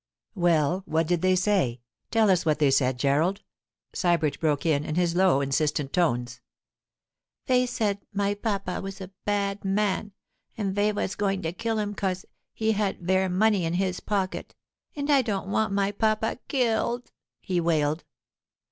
'Well, what did they say? Tell us what they said, Gerald,' Sybert broke in, in his low, insistent tones. 'Vey said my papa was a bad man, an' vey was going to kill him 'cause he had veir money in his pocket—an' I don't want my papa killed!' he wailed.